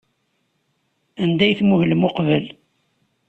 Anda ay tmuhlem uqbel?